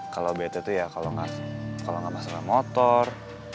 kalo bete tuh ya kalo gak masalah motor